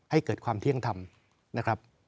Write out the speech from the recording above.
ให้เกิดความเที่ยงธรรมนะครับ